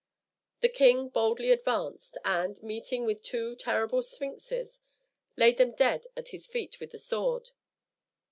The king boldly advanced, and, meeting with two terrible sphinxes, laid them dead at his feet with the sword.